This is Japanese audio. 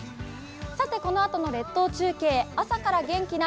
このあとの列島中継、「朝から元気な